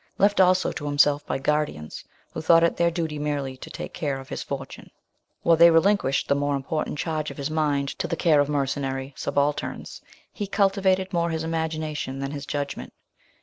Left also to himself by guardians, who thought it their duty merely to take care of his fortune, while they relinquished the more important charge of his mind to the care of mercenary subalterns, he cultivated more his imagination than his judgment.